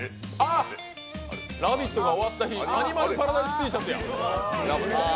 ラヴィット！が終わった日アニマルパラダイスＴシャツや。